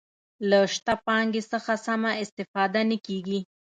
له شته پانګې څخه سمه استفاده نه کیږي.